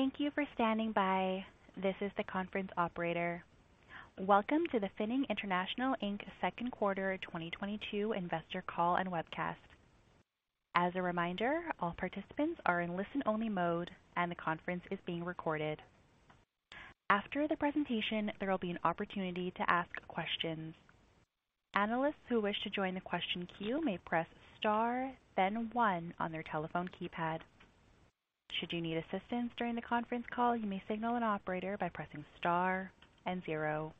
Thank you for standing by. This is the conference operator. Welcome to the Finning International Inc. second quarter 2022 investor call and webcast. As a reminder, all participants are in listen-only mode, and the conference is being recorded. After the presentation, there will be an opportunity to ask questions. Analysts who wish to join the question queue may press star then one on their telephone keypad. Should you need assistance during the conference call, you may signal an operator by pressing star and zero.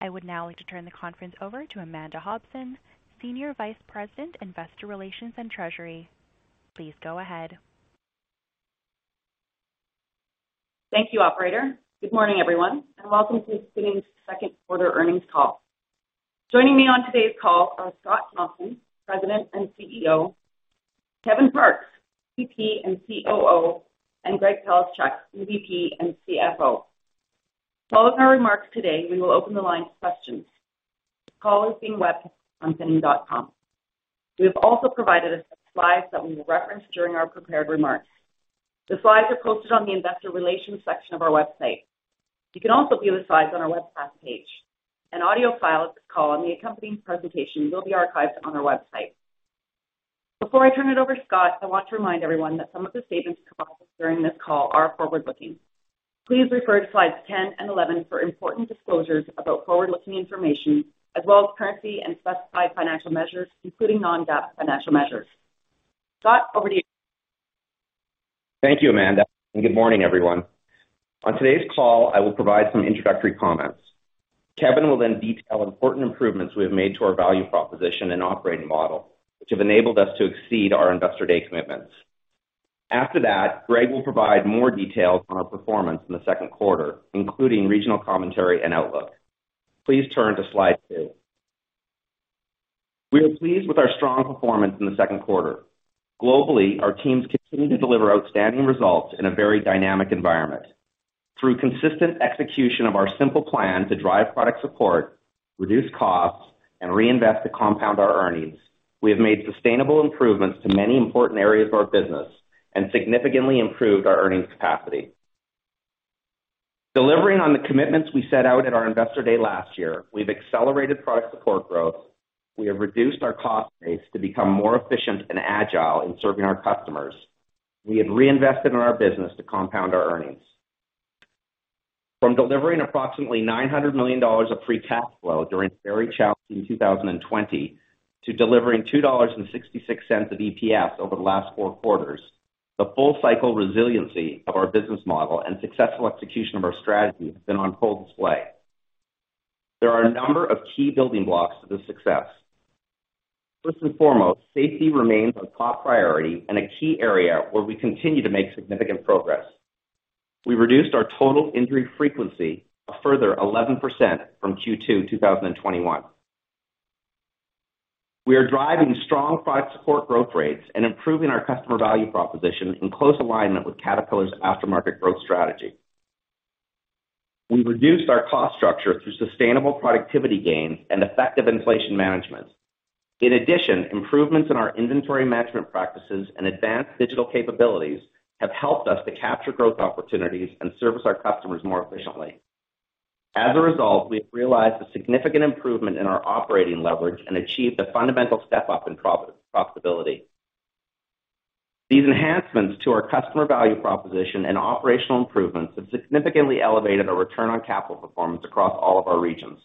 I would now like to turn the conference over to Amanda Hobson, Senior Vice President, Investor Relations and Treasury. Please go ahead. Thank you, operator. Good morning, everyone, and welcome to Finning's second quarter earnings call. Joining me on today's call are L. Scott Thomson, President and CEO, Kevin Parkes, EVP and COO, and Greg Palaschuk, EVP and CFO. Following our remarks today, we will open the line to questions. The call is being webcast on finning.com. We have also provided a set of slides that we will reference during our prepared remarks. The slides are posted on the Investor Relations section of our website. You can also view the slides on our webcast page. An audio file of this call and the accompanying presentation will be archived on our website. Before I turn it over to Scott, I want to remind everyone that some of the statements discussed during this call are forward-looking. Please refer to slides 10 and 11 for important disclosures about forward-looking information, as well as currency and specified financial measures, including non-GAAP financial measures. Scott, over to you. Thank you, Amanda, and good morning, everyone. On today's call, I will provide some introductory comments. Kevin will then detail important improvements we have made to our value proposition and operating model, which have enabled us to exceed our Investor Day commitments. After that, Greg will provide more details on our performance in the second quarter, including regional commentary and outlook. Please turn to slide two. We are pleased with our strong performance in the second quarter. Globally, our teams continue to deliver outstanding results in a very dynamic environment. Through consistent execution of our simple plan to drive product support, reduce costs, and reinvest to compound our earnings, we have made sustainable improvements to many important areas of our business and significantly improved our earnings capacity. Delivering on the commitments we set out at our Investor Day last year, we've accelerated product support growth, we have reduced our cost base to become more efficient and agile in serving our customers. We have reinvested in our business to compound our earnings. From delivering approximately 900 million dollars of free cash flow during a very challenging 2020 to delivering 2.66 dollars of EPS over the last four quarters, the full cycle resiliency of our business model and successful execution of our strategy has been on full display. There are a number of key building blocks to this success. First and foremost, safety remains a top priority and a key area where we continue to make significant progress. We reduced our total injury frequency a further 11% from Q2 2021. We are driving strong product support growth rates and improving our customer value proposition in close alignment with Caterpillar's aftermarket growth strategy. We reduced our cost structure through sustainable productivity gains and effective inflation management. In addition, improvements in our inventory management practices and advanced digital capabilities have helped us to capture growth opportunities and service our customers more efficiently. As a result, we have realized a significant improvement in our operating leverage and achieved a fundamental step up in profitability. These enhancements to our customer value proposition and operational improvements have significantly elevated our return on capital performance across all of our regions.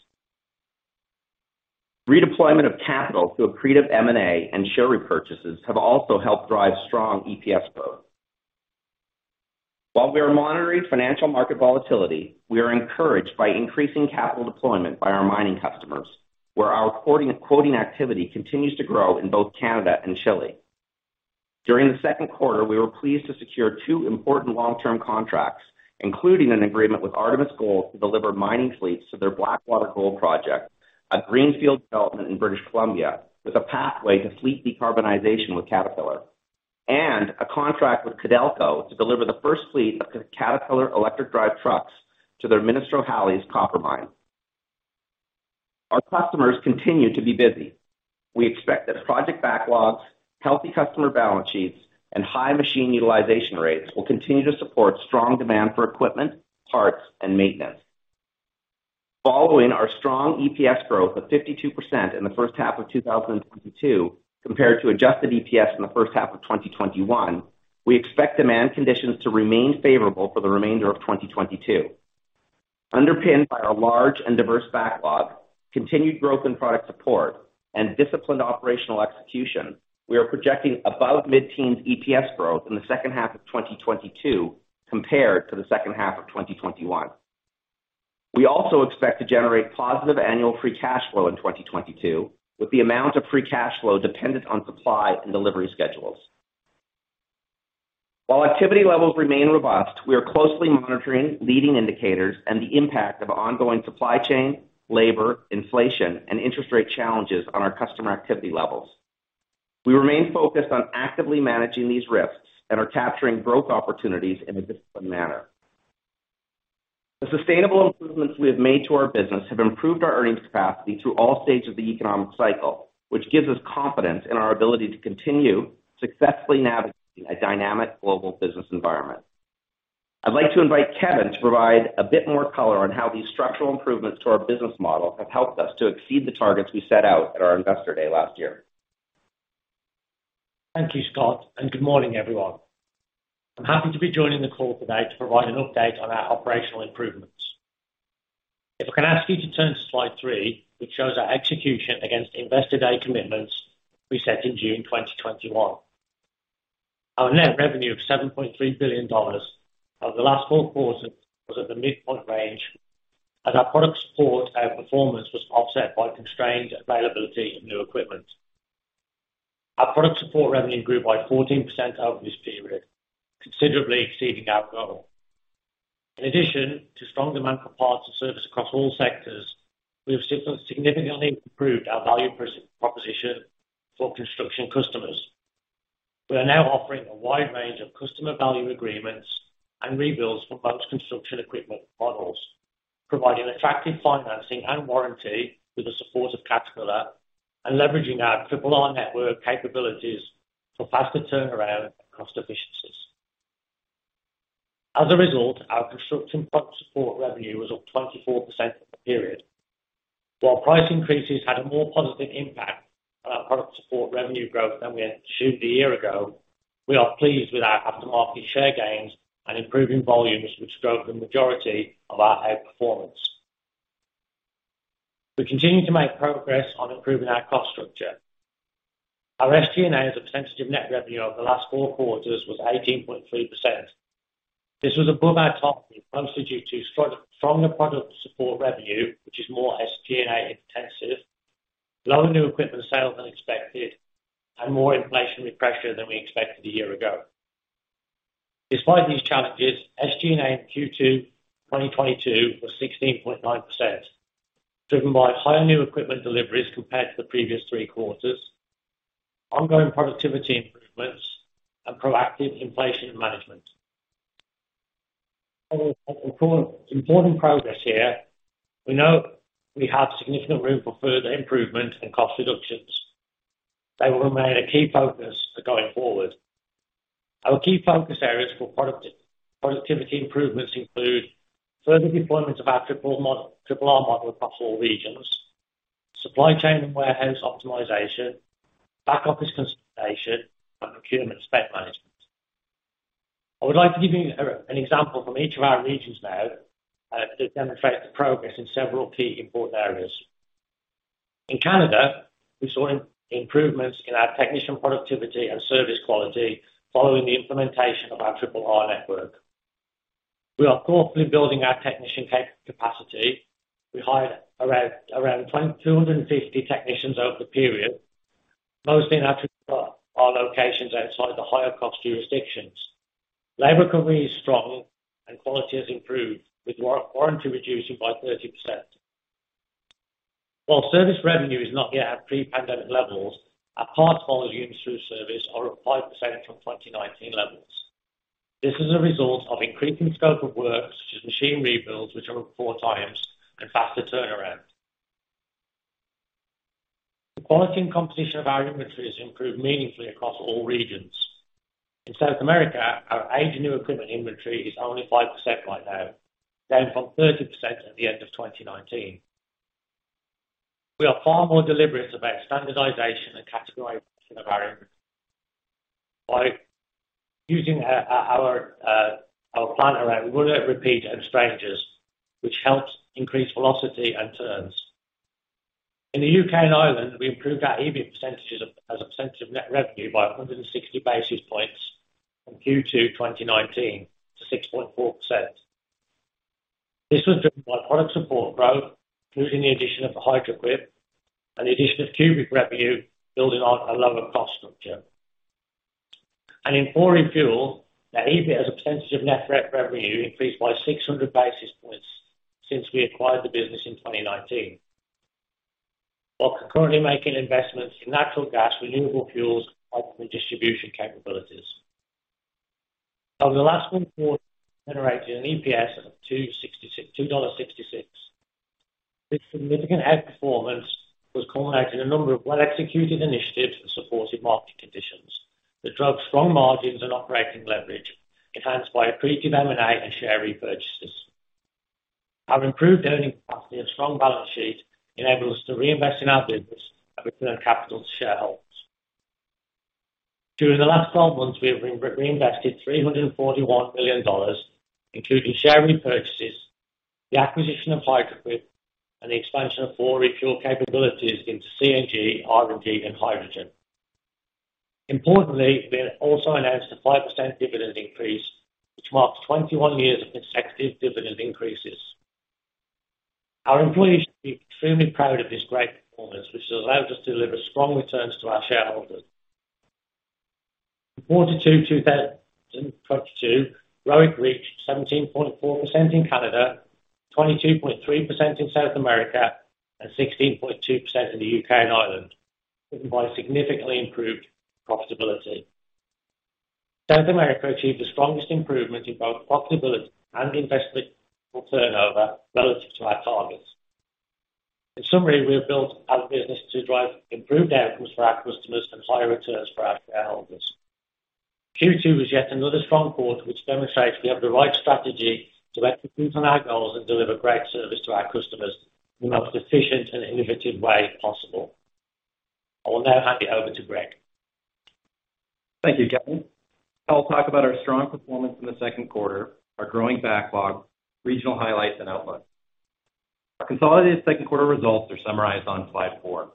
Redeployment of capital through accretive M&A and share repurchases have also helped drive strong EPS growth. While we are monitoring financial market volatility, we are encouraged by increasing capital deployment by our mining customers, where our quoting activity continues to grow in both Canada and Chile. During the second quarter, we were pleased to secure two important long-term contracts, including an agreement with Artemis Gold to deliver mining fleets to their Blackwater Gold project, a greenfield development in British Columbia, with a pathway to fleet decarbonization with Caterpillar, and a contract with Codelco to deliver the first fleet of Caterpillar electric drive trucks to their Ministro Hales copper mine. Our customers continue to be busy. We expect that project backlogs, healthy customer balance sheets, and high machine utilization rates will continue to support strong demand for equipment, parts, and maintenance. Following our strong EPS growth of 52% in the first half of 2022 compared to adjusted EPS in the first half of 2021, we expect demand conditions to remain favorable for the remainder of 2022. Underpinned by our large and diverse backlog, continued growth in product support, and disciplined operational execution, we are projecting above mid-teens EPS growth in the second half of 2022 compared to the second half of 2021. We also expect to generate positive annual free cash flow in 2022, with the amount of free cash flow dependent on supply and delivery schedules. While activity levels remain robust, we are closely monitoring leading indicators and the impact of ongoing supply chain, labor, inflation, and interest rate challenges on our customer activity levels. We remain focused on actively managing these risks and are capturing growth opportunities in a disciplined manner. The sustainable improvements we have made to our business have improved our earnings capacity through all stages of the economic cycle, which gives us confidence in our ability to continue successfully navigating a dynamic global business environment. I'd like to invite Kevin to provide a bit more color on how these structural improvements to our business model have helped us to exceed the targets we set out at our Investor Day last year. Thank you, Scott, and good morning, everyone. I'm happy to be joining the call today to provide an update on our operational improvements. If I can ask you to turn to slide three, which shows our execution against Investor Day commitments we set in June 2021. Our net revenue of 7.3 billion dollars over the last four quarters was at the midpoint range, and our product support outperformance was offset by constrained availability of new equipment. Our product support revenue grew by 14% over this period, considerably exceeding our goal. In addition to strong demand for parts and service across all sectors, we have significantly improved our value proposition for construction customers. We are now offering a wide range of Customer Value Agreements and rebuilds for most construction equipment models, providing attractive financing and warranty with the support of Caterpillar and leveraging our Triple R network capabilities for faster turnaround and cost efficiencies. As a result, our construction Product Support revenue was up 24% for the period. While price increases had a more positive impact on our Product Support revenue growth than we anticipated a year ago, we are pleased with our aftermarket share gains and improving volumes which drove the majority of our outperformance. We continue to make progress on improving our cost structure. Our SG&A as a percentage of net revenue over the last four quarters was 18.3%. This was above our target, mostly due to stronger product support revenue, which is more SG&A intensive, lower new equipment sales than expected, and more inflationary pressure than we expected a year ago. Despite these challenges, SG&A in Q2 2022 was 16.9%, driven by higher new equipment deliveries compared to the previous three quarters, ongoing productivity improvements, and proactive inflation management. While we've made important progress here, we know we have significant room for further improvement and cost reductions. They will remain a key focus for going forward. Our key focus areas for productivity improvements include further deployment of our Triple R model across all regions, supply chain and warehouse optimization, back office consolidation, and procurement spend management. I would like to give you an example from each of our regions now, that demonstrate the progress in several key important areas. In Canada, we saw improvements in our technician productivity and service quality following the implementation of our Triple R network. We are thoughtfully building our technician capacity. We hired around 250 technicians over the period, mostly in our Triple R locations outside the higher cost jurisdictions. Labor recovery is strong and quality has improved, with warranty reducing by 30%. While service revenue is not yet at pre-pandemic levels, our parts volumes through service are up 5% from 2019 levels. This is a result of increasing scope of work, such as machine rebuilds, which are up four times and faster turnaround. The quality and composition of our inventory has improved meaningfully across all regions. In South America, our aged new equipment inventory is only 5% right now, down from 30% at the end of 2019. We are far more deliberate about standardization and categorization of our inventory by using our plan around Runners, Repeaters, and Strangers, which helps increase velocity and turns. In the U.K. and Ireland, we improved our EBIT as a percentage of net revenue by 160 basis points from Q2 2019 to 6.4%. This was driven by product support growth, including the addition of Hydraquip and the addition of CUBIQ revenue building on a lower cost structure. In 4Refuel, our EBIT as a percentage of net revenue increased by 600 basis points since we acquired the business in 2019, while concurrently making investments in natural gas, renewable fuels, and distribution capabilities. Over the last quarter, we generated an EPS of $2.66. This significant outperformance was culminated in a number of well-executed initiatives and supportive market conditions that drove strong margins and operating leverage, enhanced by accretive M&A and share repurchases. Our improved earnings capacity and strong balance sheet enable us to reinvest in our business and return capital to shareholders. During the last 12 months, we have reinvested 341 billion dollars, including share repurchases, the acquisition of Hydraquip, and the expansion of 4Refuel capabilities into CNG, RNG, and hydrogen. Importantly, we also announced a 5% dividend increase, which marks 21 years of consecutive dividend increases. Our employees should be extremely proud of this great performance, which has allowed us to deliver strong returns to our shareholders. In 2022, ROIC reached 17.4% in Canada, 22.3% in South America, and 16.2% in the U.K. and Ireland, driven by significantly improved profitability. South America achieved the strongest improvement in both profitability and investment full turnover relative to our targets. In summary, we have built our business to drive improved outcomes for our customers and higher returns for our shareholders. Q2 was yet another strong quarter which demonstrates we have the right strategy to execute on our goals and deliver great service to our customers in the most efficient and innovative way possible. I will now hand it over to Greg. Thank you, Kevin. I'll talk about our strong performance in the second quarter, our growing backlog, regional highlights, and outlook. Our consolidated second quarter results are summarized on slide four.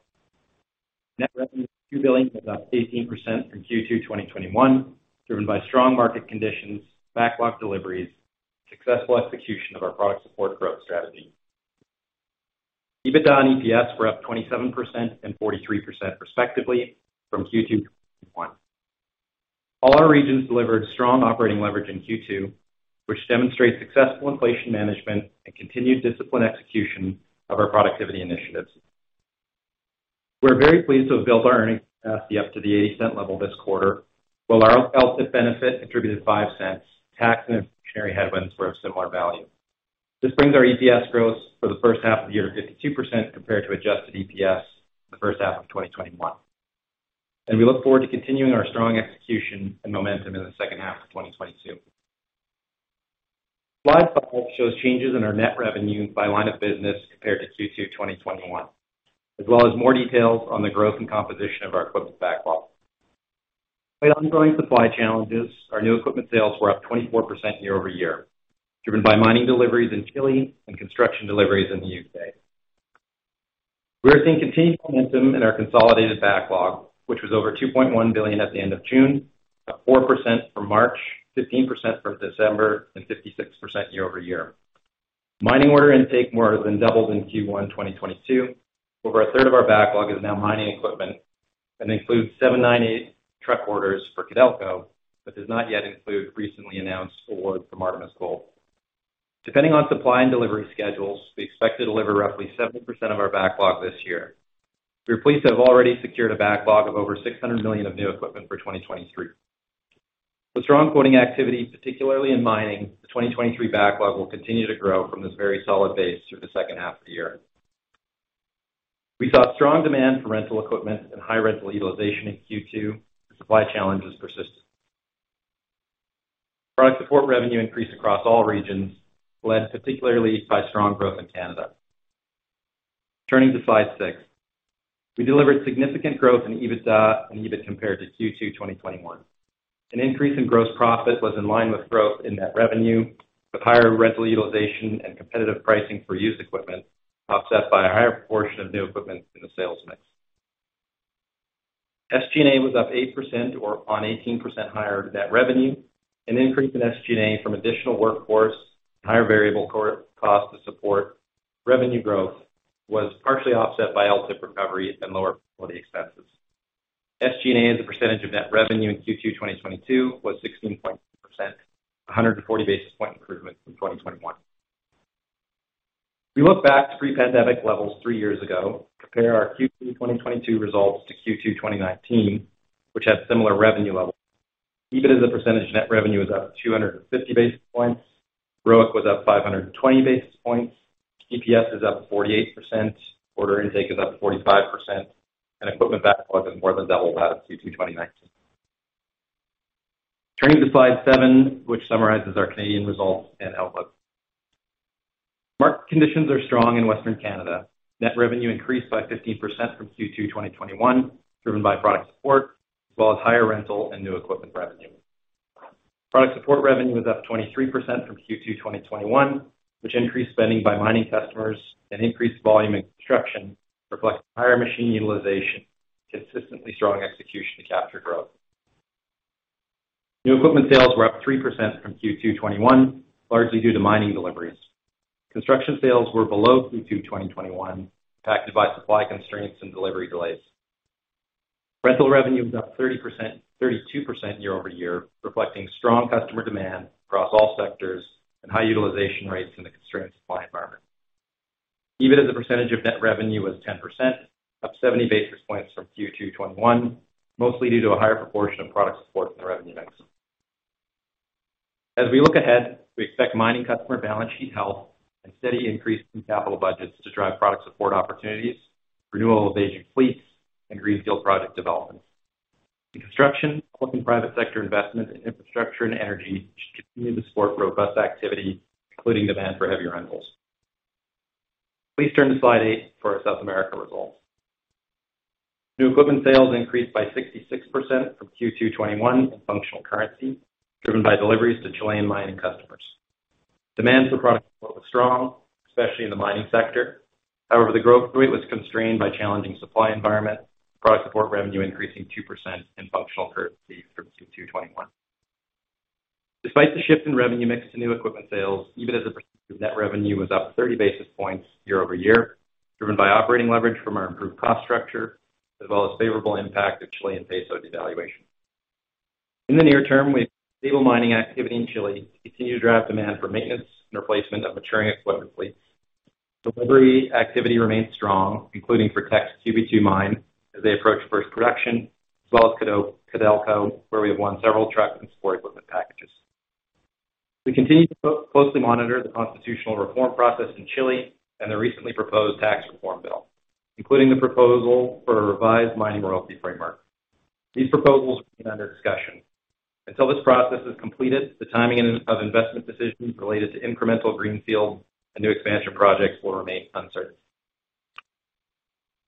Net revenue CAD 2 billion was up 18% from Q2 2021, driven by strong market conditions, backlog deliveries, successful execution of our product support growth strategy. EBITDA and EPS were up 27% and 43% respectively from Q2 2021. All our regions delivered strong operating leverage in Q2, which demonstrates successful inflation management and continued disciplined execution of our productivity initiatives. We're very pleased to have built our earnings capacity up to the 0.80 level this quarter, while our LTIP benefit contributed 0.05. Tax and inflationary headwinds were of similar value. This brings our EPS growth for the first half of the year to 52% compared to adjusted EPS the first half of 2021. We look forward to continuing our strong execution and momentum in the second half of 2022. Slide five shows changes in our net revenue by line of business compared to Q2 2021, as well as more details on the growth and composition of our equipment backlog. With ongoing supply challenges, our new equipment sales were up 24% year-over-year, driven by mining deliveries in Chile and construction deliveries in the U.K. We are seeing continued momentum in our consolidated backlog, which was over 2.1 billion at the end of June, up 4% from March, 15% from December, and 56% year-over-year. Mining order intake more than doubled in Q1 2022. Over a third of our backlog is now mining equipment and includes 798 truck orders for Codelco, but does not yet include recently announced awards from Artemis Gold. Depending on supply and delivery schedules, we expect to deliver roughly 70% of our backlog this year. We're pleased to have already secured a backlog of over 600 million of new equipment for 2023. With strong quoting activity, particularly in mining, the 2023 backlog will continue to grow from this very solid base through the second half of the year. We saw strong demand for rental equipment and high rental utilization in Q2 as supply challenges persisted. Product support revenue increased across all regions, led particularly by strong growth in Canada. Turning to slide six. We delivered significant growth in EBITDA and EBIT compared to Q2 2021. An increase in gross profit was in line with growth in net revenue, with higher rental utilization and competitive pricing for used equipment, offset by a higher proportion of new equipment in the sales mix. SG&A was up 8% on 18% higher net revenue. An increase in SG&A from additional workforce and higher variable cost to support revenue growth was partially offset by LTIP recovery and lower expenses. SG&A as a percentage of net revenue in Q2 2022 was 16.2%, a 140 basis point improvement from 2021. We look back to pre-pandemic levels three years ago to compare our Q2 2022 results to Q2 2019, which had similar revenue levels. EBIT as a percentage of net revenue is up 250 basis points. ROIC was up 520 basis points. EPS is up 48%. Order intake is up 45%. Equipment backlog has more than doubled that of Q2 2019. Turning to slide seven, which summarizes our Canadian results and outlook. Market conditions are strong in Western Canada. Net revenue increased by 15% from Q2 2021, driven by product support as well as higher rental and new equipment revenue. Product support revenue was up 23% from Q2 2021, which increased spending by mining customers and increased volume in construction, reflecting higher machine utilization, consistently strong execution to capture growth. New equipment sales were up 3% from Q2 2021, largely due to mining deliveries. Construction sales were below Q2 2021, impacted by supply constraints and delivery delays. Rental revenue was up 32% year-over-year, reflecting strong customer demand across all sectors and high utilization rates in the constrained supply environment. EBIT as a percentage of net revenue was 10%, up seventy basis points from Q2 2021, mostly due to a higher proportion of product support in the revenue mix. As we look ahead, we expect mining customer balance sheet health and steady increases in capital budgets to drive product support opportunities, renewal of aging fleets, and greenfield project development. In construction, public and private sector investment in infrastructure and energy should continue to support robust activity, including demand for heavier rentals. Please turn to slide eight for our South America results. New equipment sales increased by 66% from Q2 2021 in functional currency, driven by deliveries to Chilean mining customers. Demand for product support was strong, especially in the mining sector. However, the growth rate was constrained by challenging supply environment, product support revenue increasing 2% in functional currency from Q2 2021. Despite the shift in revenue mix to new equipment sales, EBIT as a percentage of net revenue was up 30 basis points year-over-year, driven by operating leverage from our improved cost structure as well as favorable impact of Chilean peso devaluation. In the near term, we expect stable mining activity in Chile to continue to drive demand for maintenance and replacement of maturing equipment fleet. Delivery activity remains strong, including for Teck's QB2 mine as they approach first production, as well as Codelco, where we have won several truck and support equipment packages. We continue to closely monitor the constitutional reform process in Chile and the recently proposed tax reform bill, including the proposal for a revised mining royalty framework. These proposals remain under discussion. Until this process is completed, the timing of investment decisions related to incremental greenfield and new expansion projects will remain uncertain.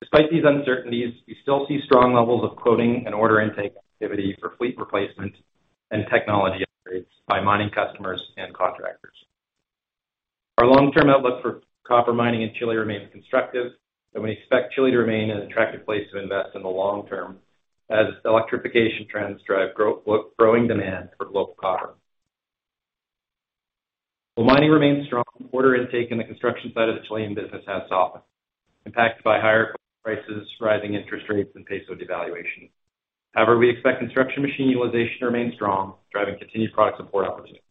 Despite these uncertainties, we still see strong levels of quoting and order intake activity for fleet replacement and technology upgrades by mining customers and contractors. Our long-term outlook for copper mining in Chile remains constructive, and we expect Chile to remain an attractive place to invest in the long term as electrification trends drive growing demand for global copper. While mining remains strong, order intake in the construction side of the Chilean business has softened, impacted by higher prices, rising interest rates and peso devaluation. However, we expect construction machine utilization to remain strong, driving continued product support opportunities.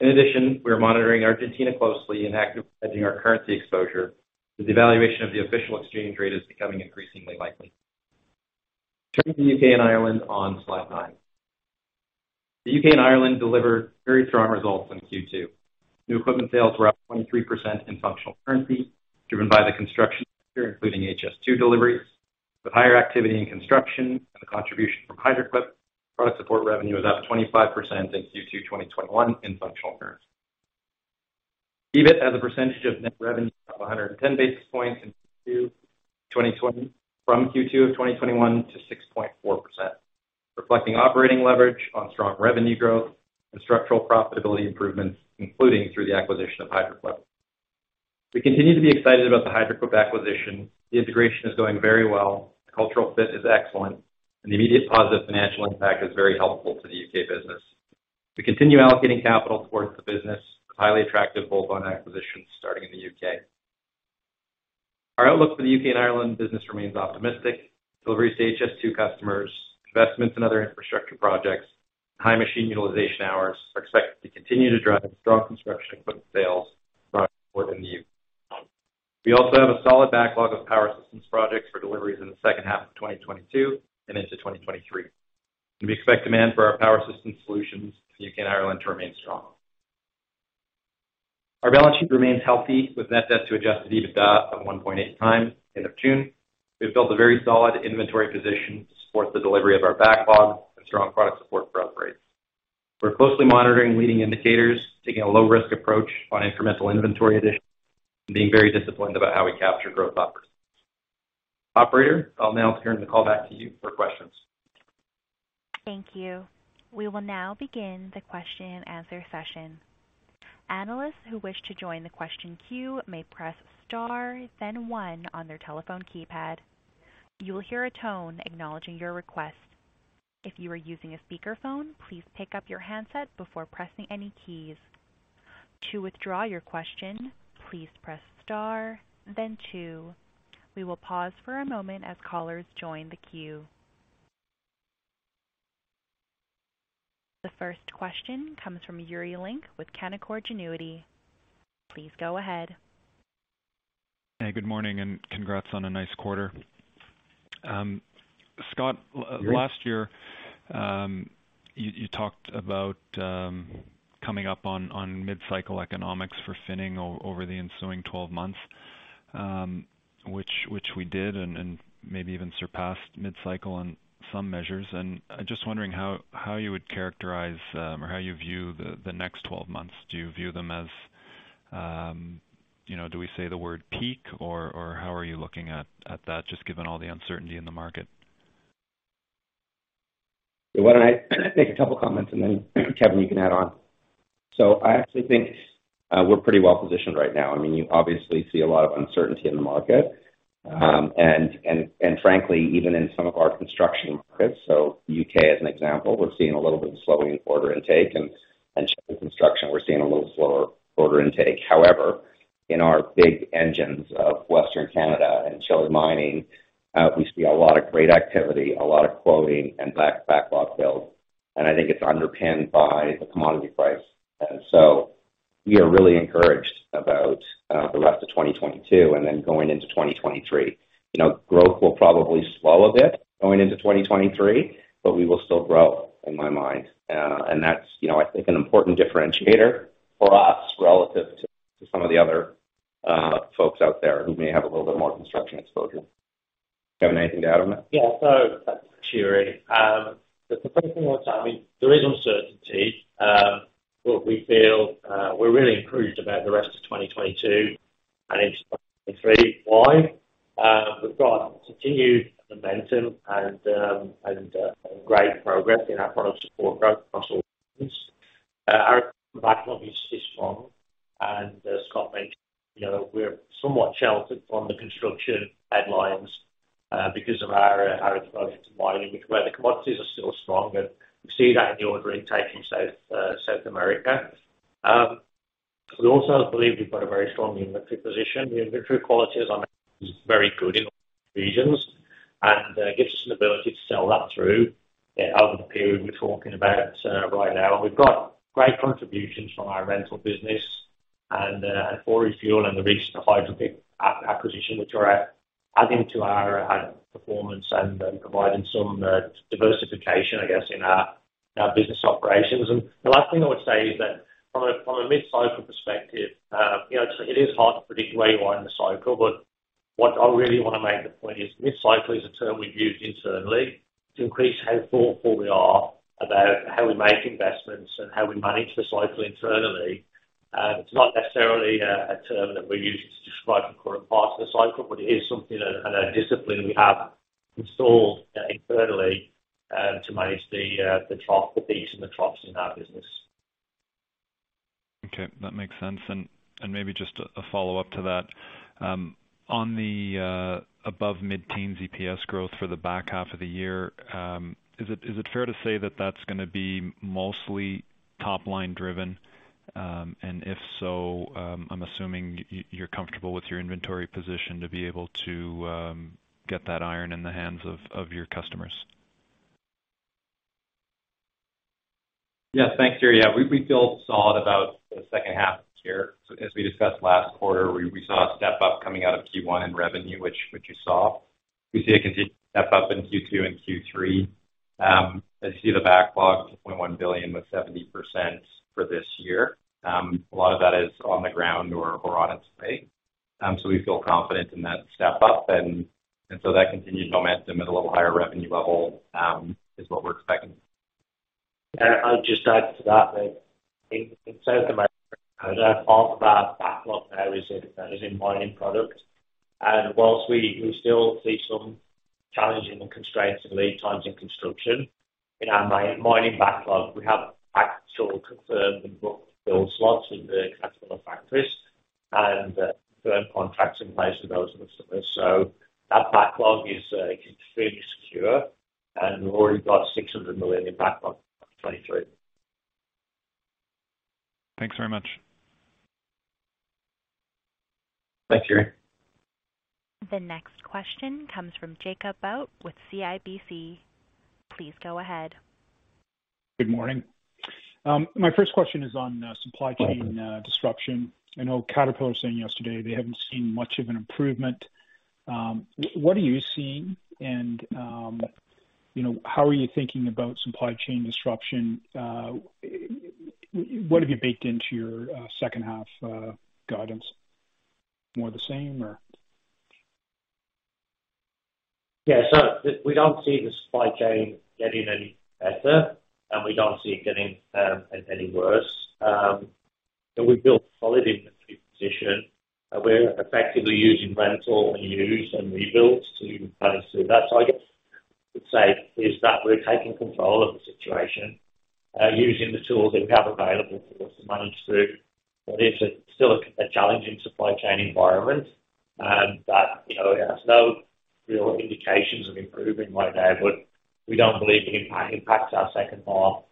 In addition, we are monitoring Argentina closely and actively hedging our currency exposure as devaluation of the official exchange rate is becoming increasingly likely. Turning to U.K. and Ireland on slide nine. The U.K. and Ireland delivered very strong results in Q2. New equipment sales were up 23% in functional currency, driven by the construction sector, including HS2 deliveries. With higher activity in construction and the contribution from Hydraquip, product support revenue was up 25% in Q2 2021 in functional currency. EBIT as a percentage of net revenue up 110 basis points from Q2 2020 to Q2 2021 to 6.4%, reflecting operating leverage on strong revenue growth and structural profitability improvements, including through the acquisition of Hydraquip. We continue to be excited about the Hydraquip acquisition. The integration is going very well. The cultural fit is excellent, and the immediate positive financial impact is very helpful to the UK business. We continue allocating capital towards the business with highly attractive bolt-on acquisitions starting in the U.K. Our outlook for the U.K. and Ireland business remains optimistic. Deliveries to HS2 customers, investments in other infrastructure projects, high machine utilization hours are expected to continue to drive strong construction equipment sales throughout the remainder of the year. We also have a solid backlog of Power Systems projects for deliveries in the second half of 2022 and into 2023. We expect demand for our Power Systems solutions in U.K. and Ireland to remain strong. Our balance sheet remains healthy, with net debt to adjusted EBITDA of 1.8 times end of June. We've built a very solid inventory position to support the delivery of our backlog and strong product support for upgrades. We're closely monitoring leading indicators, taking a low risk approach on incremental inventory additions, and being very disciplined about how we capture growth opportunities. Operator, I'll now turn the call back to you for questions. Thank you. We will now begin the question-and-answer session. Analysts who wish to join the question queue may press star then one on their telephone keypad. You will hear a tone acknowledging your request. If you are using a speakerphone, please pick up your handset before pressing any keys. To withdraw your question, please press star then two. We will pause for a moment as callers join the queue. The first question comes from Yuri Lynk with Canaccord Genuity. Please go ahead. Hey, good morning, and congrats on a nice quarter. Scott- Yuri. Last year, you talked about coming up on mid-cycle economics for Finning over the ensuing 12 months, which we did and maybe even surpassed mid-cycle on some measures. I'm just wondering how you would characterize or how you view the next 12 months. Do you view them as, you know, do we say the word peak or how are you looking at that just given all the uncertainty in the market? Why don't I take a couple comments and then, Kevin, you can add on. I actually think we're pretty well positioned right now. I mean, you obviously see a lot of uncertainty in the market. And frankly, even in some of our construction markets, so U.K. as an example, we're seeing a little bit of slowing in order intake and construction, we're seeing a little slower order intake. However, in our big engines of Western Canada and Chile mining, we see a lot of great activity, a lot of quoting and backlog build, and I think it's underpinned by the commodity price. We are really encouraged about the rest of 2022 and then going into 2023. You know, growth will probably slow a bit going into 2023, but we will still grow in my mind. That's, you know, I think an important differentiator for us relative to some of the other folks out there who may have a little bit more construction exposure. Kevin, anything to add on that? Yuri, the first thing I would say, I mean, there is uncertainty, but we feel, we're really encouraged about the rest of 2022 and into 2023. Why? We've got continued momentum and great progress in our product support growth across all regions. Our backlog is strong. As Scott mentioned, you know, we're somewhat sheltered from the construction headlines, because of our exposure to mining, where the commodities are still strong, and we see that in the order intake in South America. We also believe we've got a very strong inventory position. The inventory quality is, I mean, very good in all regions and gives us an ability to sell that through, over the period we're talking about, right now. We've got great contributions from our rental business and 4Refuel and the recent Hydraquip acquisition which we're adding to our performance and providing some diversification, I guess, in our business operations. The last thing I would say is that from a mid-cycle perspective, you know, it is hard to predict where you are in the cycle, but what I really wanna make the point is mid-cycle is a term we've used internally to increase how thoughtful we are about how we make investments and how we manage the cycle internally. It's not necessarily a term that we use to describe the current part of the cycle, but it is something and a discipline we have installed internally to manage the trough, the peaks and the troughs in our business. Okay, that makes sense. Maybe just a follow-up to that. On the above mid-teen EPS growth for the back half of the year, is it fair to say that that's gonna be mostly top-line driven? If so, I'm assuming you're comfortable with your inventory position to be able to get that iron in the hands of your customers. Yes. Thanks, Yuri. Yeah. We feel solid about the second half of this year. As we discussed last quarter, we saw a step up coming out of Q1 in revenue, which you saw. We see a step up in Q2 and Q3. As you see the backlog of 2.1 billion with 70% for this year. A lot of that is on the ground or on its way. We feel confident in that step up. That continued momentum at a little higher revenue level is what we're expecting. Yeah. I'll just add to that in terms of the backlog there is in mining products. While we still see some challenging constraints and lead times in construction. In our mining backlog, we have actual confirmed and booked build slots in the Caterpillar factories and firm contracts in place with those customers. That backlog is extremely secure, and we've already got 600 million backlog, 2023. Thanks very much. Thanks, Yuri. The next question comes from Jacob Bout with CIBC. Please go ahead. Good morning. My first question is on supply chain disruption. I know Caterpillar was saying yesterday they haven't seen much of an improvement. What are you seeing? You know, how are you thinking about supply chain disruption? What have you baked into your second half guidance? More of the same or? Yeah. We don't see the supply chain getting any better, and we don't see it getting any worse. We've built a solid inventory position, and we're effectively using rental and used and rebuilt to manage through that. I guess I would say is that we're taking control of the situation, using the tools that we have available for us to manage through what is still a challenging supply chain environment. You know, it has no real indications of improving right now, but we don't believe it impacts our second half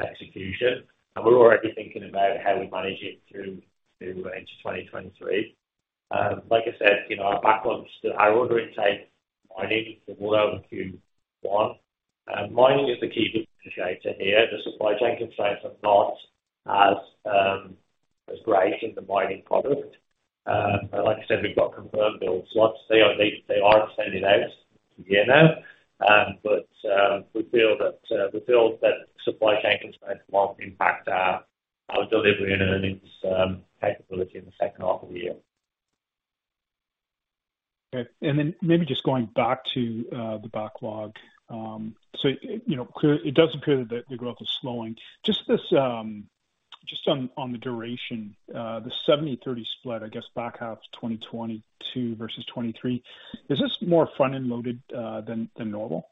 execution. We're already thinking about how we manage it through to into 2023. Like I said, in our backlogs, our order intake in mining from Q1. Mining is the key differentiator here. The supply chain constraints are not as great in the mining product. Like I said, we've got confirmed build slots. They aren't standing out to the end now. We feel that supply chain constraints won't impact our delivery and earnings capability in the second half of the year. Okay. Maybe just going back to the backlog. So, you know, it does appear that the growth is slowing. Just this, just on the duration, the 70-30 split, I guess back half 2022 versus 2023. Is this more front-end loaded than normal?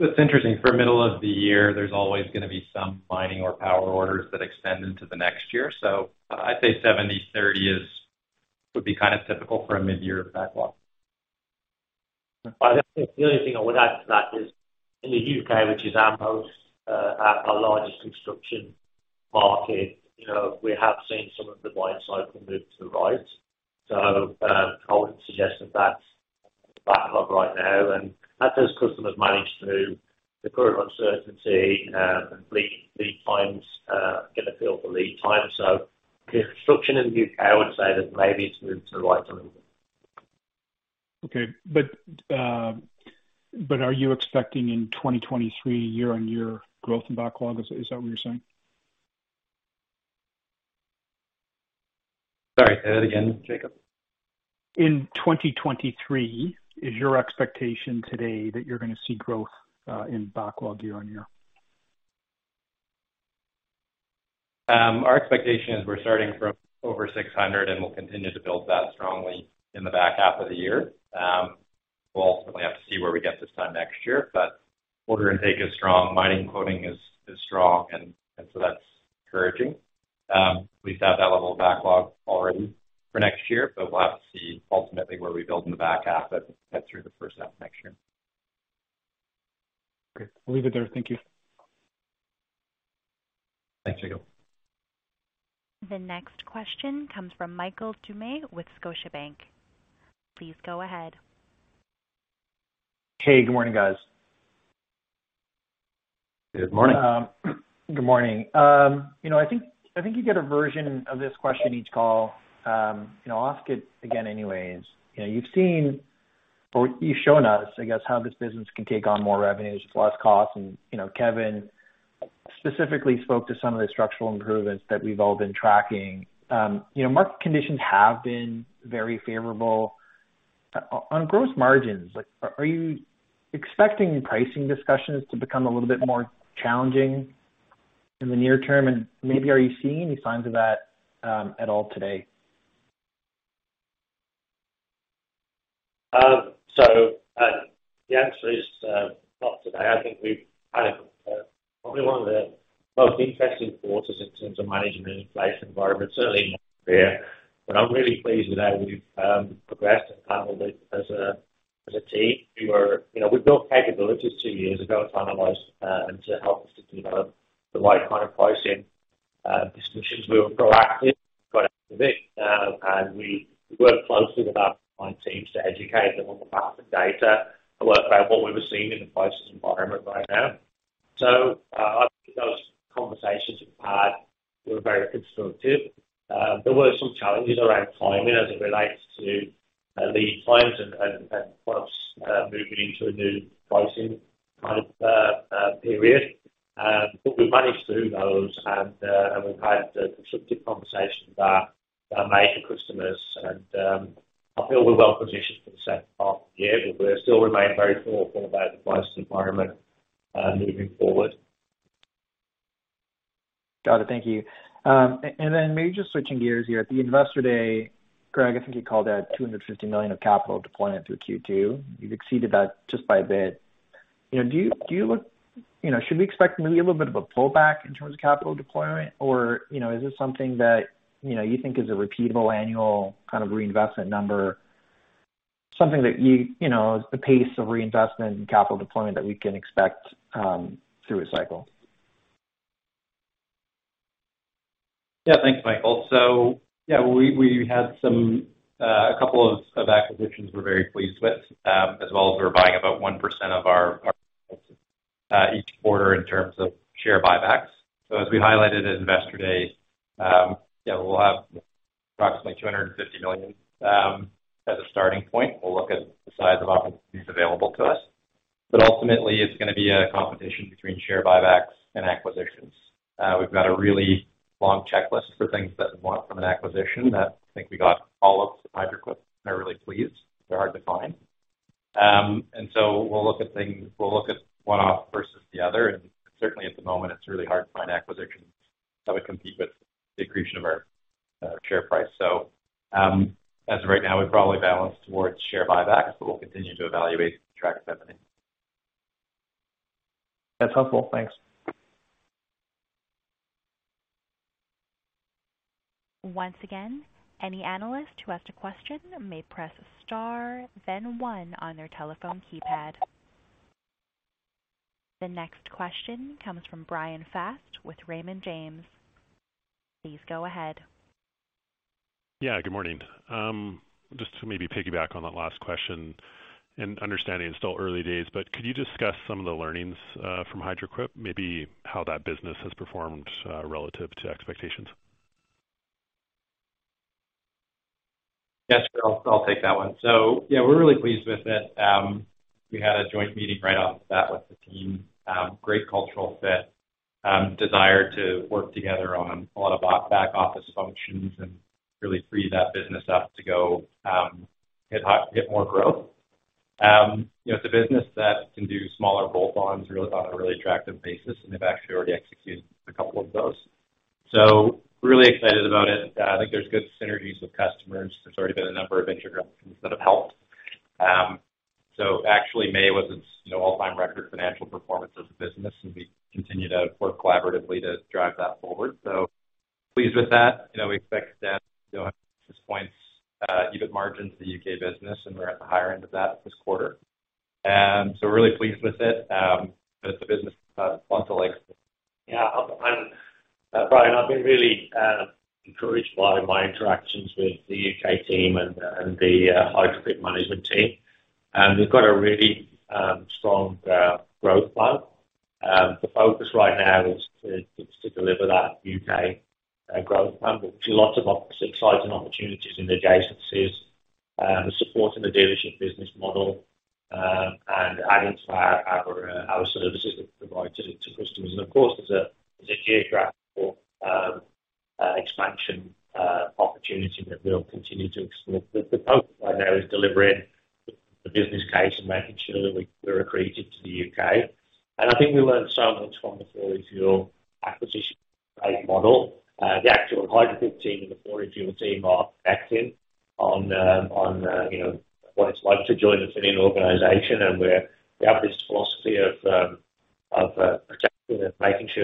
It's interesting. For middle of the year, there's always gonna be some mining or power orders that extend into the next year. I'd say 70-30 would be kind of typical for a mid-year backlog. I think the only thing I would add to that is in the U.K., which is our largest construction market, you know, we have seen some of the right-sizing can move to the right. I would suggest that that's backlog right now. As those customers manage through the current uncertainty and get a feel for lead times. Construction in the U.K., I would say that maybe it's moved to the right a little bit. Are you expecting in 2023 year-over-year growth in backlog? Is that what you're saying? Sorry, say that again, Jacob. In 2023, is your expectation today that you're gonna see growth in backlog year-over-year? Our expectation is we're starting from over 600, and we'll continue to build that strongly in the back half of the year. We'll ultimately have to see where we get to by this time next year, but order intake is strong, mining quoting is strong, and so that's encouraging. We expect to have that level of backlog already for next year, but we'll have to see ultimately where we build in the back half as we get through the first half next year. Okay. We'll leave it there. Thank you. Thanks, Jacob. The next question comes from Michael Doumet with Scotiabank. Please go ahead. Hey, good morning, guys. Good morning. Good morning. You know, I think you get a version of this question each call. You know, I'll ask it again anyways. You know, you've seen or you've shown us, I guess, how this business can take on more revenues with less cost. You know, Kevin specifically spoke to some of the structural improvements that we've all been tracking. You know, market conditions have been very favorable. On gross margins, like, are you expecting pricing discussions to become a little bit more challenging in the near term? Maybe are you seeing any signs of that at all today? The answer is not today. I think we've had probably one of the most interesting quarters in terms of managing an inflation environment, certainly in North America. I'm really pleased with how we've progressed and handled it as a team. You know, we built capabilities two years ago to analyze and to help us to develop the right kind of pricing discussions. We were proactive going into it, and we worked closely with our client teams to educate them on the path of data to learn about what we were seeing in the pricing environment right now. I think those conversations we've had were very constructive. There were some challenges around timing as it relates to lead times and plus moving into a new pricing kind of period. We managed through those and we've had constructive conversations with our major customers and I feel we're well positioned for the second part of the year, but we still remain very thoughtful about the pricing environment moving forward. Got it. Thank you. Then maybe just switching gears here. At the Investor Day, Greg, I think you called out CAD 250 million of capital deployment through Q2. You've exceeded that just by a bit. You know, should we expect maybe a little bit of a pullback in terms of capital deployment? Or, you know, is this something that, you know, you think is a repeatable annual kind of reinvestment number? Something that, you know, the pace of reinvestment and capital deployment that we can expect through a cycle. Yeah. Thanks, Michael. Yeah, we had a couple of acquisitions we're very pleased with, as well as we're buying about 1% of ours each quarter in terms of share buybacks. As we highlighted at Investor Day, yeah, we'll have approximately 250 million as a starting point. We'll look at the size of opportunities available to us. Ultimately, it's gonna be a competition between share buybacks and acquisitions. We've got a really long checklist for things that we want from an acquisition that I think we got all of with Hydraquip. They're really pleased. They're hard to find. We'll look at one off versus the other, and certainly at the moment it's really hard to find acquisitions that would compete with the accretion of our share price. As of right now, we probably balance towards share buybacks, but we'll continue to evaluate and track both of them. That's helpful. Thanks. Once again, any analyst who has a question may press star then one on their telephone keypad. The next question comes from Bryan Fast with Raymond James. Please go ahead. Yeah, good morning. Just to maybe piggyback on that last question and understanding it's still early days, but could you discuss some of the learnings, from Hydraquip, maybe how that business has performed, relative to expectations? Yes, I'll take that one. Yeah, we're really pleased with it. We had a joint meeting right off the bat with the team. Great cultural fit, desire to work together on a lot of back office functions and really free that business up to go, hit high, hit more growth. You know, it's a business that can do smaller bolt-ons really on a really attractive basis, and they've actually already executed a couple of those. Really excited about it. I think there's good synergies with customers. There's already been a number of integrations that have helped. Actually May was its, you know, all-time record financial performance as a business, and we continue to work collaboratively to drive that forward. Pleased with that. You know, we expect that, you know, at this point, EBIT margins the UK business and we're at the higher end of that this quarter. Really pleased with it. It's a business that's got lots of legs. Yeah. Bryan, I've been really encouraged by my interactions with the UK team and the Hydraquip management team. They've got a really strong growth plan. The focus right now is to deliver that UK growth plan. We see lots of exciting opportunities in adjacencies, supporting the dealership business model, and adding to our services that we provide to customers. Of course, there's a geographical expansion opportunity that we'll continue to explore. The focus right now is delivering the business case and making sure that we're accretive to the U.K. I think we learned so much from the 4Refuel acquisition frame model. The actual Hydraquip team and the 4Refuel team are connected, you know, what it's like to join a Finning organization. We have this philosophy of protecting and making sure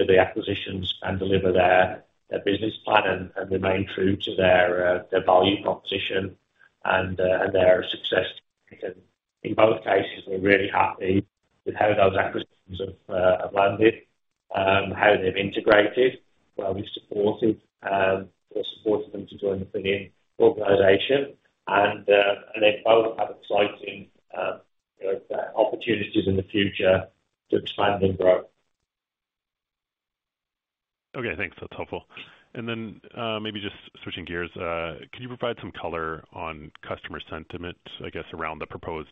the acquisitions can deliver their business plan and remain true to their value proposition and their success. In both cases, we're really happy with how those acquisitions have landed, how they've integrated, how we've supported them to join the new organization. They both have exciting opportunities in the future to expand and grow. Okay, thanks. That's helpful. Maybe just switching gears, could you provide some color on customer sentiment, I guess, around the proposed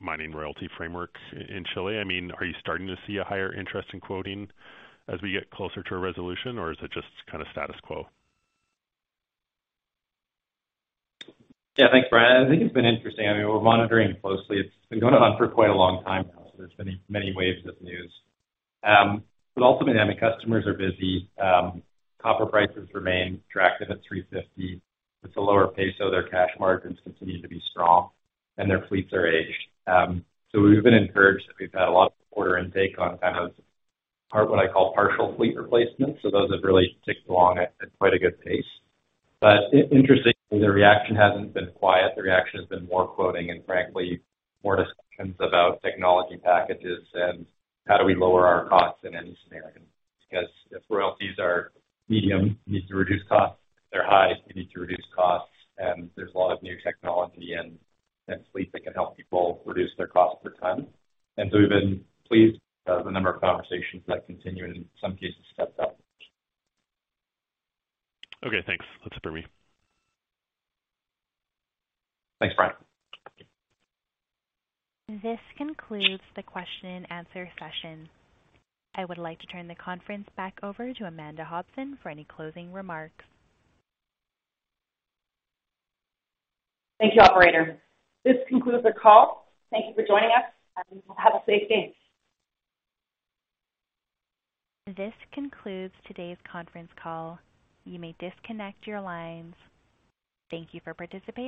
mining royalty framework in Chile? I mean, are you starting to see a higher interest in quoting as we get closer to a resolution, or is it just kinda status quo? Yeah. Thanks, Bryan. I think it's been interesting. I mean, we're monitoring closely. It's been going on for quite a long time now, so there's been many waves of news. But ultimately, I mean, customers are busy. Copper prices remain attractive at $3.50. With the lower peso, their cash margins continue to be strong, and their fleets are aged. So we've been encouraged that we've had a lot of order intake on kind of what I call partial fleet replacement. So those have really ticked along at quite a good pace. But interestingly, the reaction hasn't been quiet. The reaction has been more quoting and frankly, more discussions about technology packages and how do we lower our costs in any scenario. Because if royalties are medium, you need to reduce costs. If they're high, you need to reduce costs. There's a lot of new technology and fleet that can help people reduce their cost per ton. We've been pleased with the number of conversations that continue and in some cases stepped up. Okay, thanks. That's it for me. Thanks, Bryan. This concludes the question and answer session. I would like to turn the conference back over to Amanda Hobson for any closing remarks. Thank you, operator. This concludes our call. Thank you for joining us, and have a safe day. This concludes today's conference call. You may disconnect your lines. Thank you for participating.